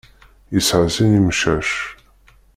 Yesεa sin imcac.